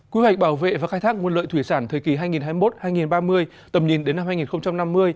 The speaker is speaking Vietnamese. quy hoạch bảo vệ và khai thác nguồn lợi thủy sản thời kỳ hai nghìn hai mươi một hai nghìn ba mươi tầm nhìn đến năm hai nghìn năm mươi